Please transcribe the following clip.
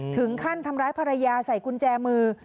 ถึงขั้นทำร้ายภรรยาใส่กุญแจมือ